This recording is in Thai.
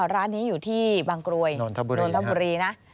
ร้านนี้อยู่ที่บางกรวยนนทบุรีนะ